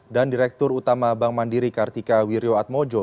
dan direktur utama bank mandiri kartika wirjo admojo